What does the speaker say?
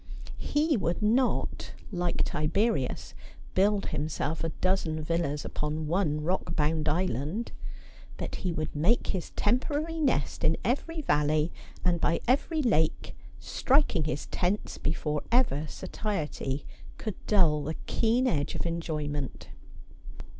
He would not, like Tiberius, build himself a dozen villas upon one rock bound island ; but he would make his temporary nest in every valley and by every lake, striking his tents before ever satiety could dull the keen edge of enjoy ment.